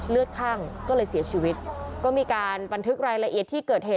คั่งก็เลยเสียชีวิตก็มีการบันทึกรายละเอียดที่เกิดเหตุ